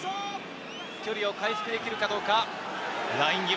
距離を回復できるかどうか、ライン際。